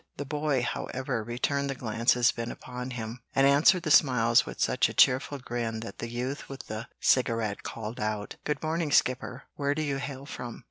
The boy, however, returned the glances bent upon him, and answered the smiles with such a cheerful grin that the youth with the cigarette called out, "Good morning, Skipper! Where do you hail from?"